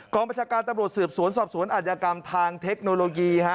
ประชาการตำรวจสืบสวนสอบสวนอาจยากรรมทางเทคโนโลยี